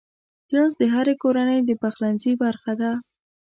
پیاز د هرې کورنۍ پخلنځي برخه ده